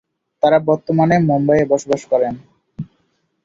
তারা বর্তমান মুম্বইয়ে বসবাস করেন।